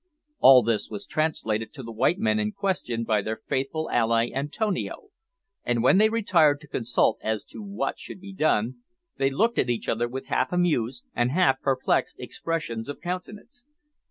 All this was translated to the white men in question by their faithful ally Antonio, and when they retired to consult as to what should be done, they looked at each other with half amused and half perplexed expressions of countenance.